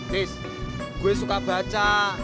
dis gue suka baca